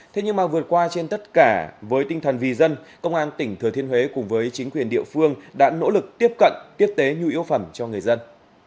thế nhưng mà vượt qua trên tất cả với tinh thần vì dân công an tỉnh thừa thiên huế cùng với chính quyền địa phương đã nỗ lực tiếp cận tiếp tế nhu yếu phẩm cho người dân